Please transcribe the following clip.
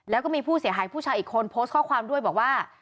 แล้วก็มีผู้เสียหายผู้ชายอีกคนโพสต์ข้อความด้วยบอกว่า